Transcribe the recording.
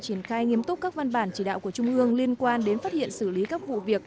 triển khai nghiêm túc các văn bản chỉ đạo của trung ương liên quan đến phát hiện xử lý các vụ việc